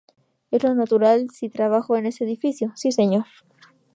Es lo natural, si trabajo en ese edificio, sí señor".